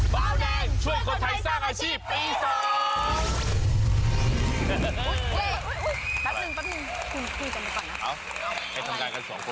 เบาแดงช่วยคนไทยสร้างอาชีพปี๒